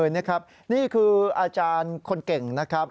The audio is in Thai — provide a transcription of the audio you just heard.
นี่ครับนี่คืออาจารย์คนเก่งนะครับ